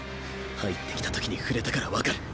入ってきたときに触れたから分かる。